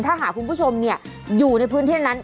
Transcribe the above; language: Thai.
ถ้าหากคุณผู้ชมอยู่ในพื้นที่นั้น